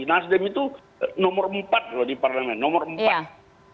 nasdem itu nomor empat loh di parlemen nomor empat